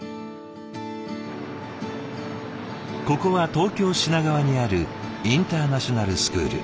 ここは東京・品川にあるインターナショナルスクール。